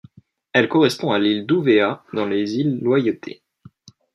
Elle correspond à l'île d'Ouvéa dans les Îles Loyauté.